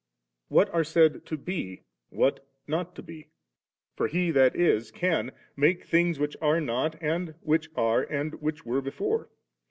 what are said *to be,' what *not to be?' for He that is, can make things which are not, and which are, and which were before.